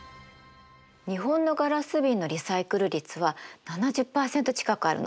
日本のガラス瓶のリサイクル率は７０％近くあるの。